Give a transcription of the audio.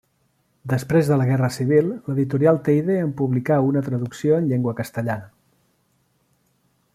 Després de la Guerra Civil l'editorial Teide en publicà una traducció en llengua castellana.